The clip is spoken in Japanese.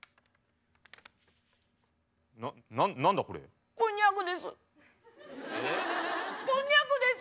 こんにゃくです！